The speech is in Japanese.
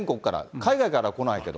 海外からは来ないけど。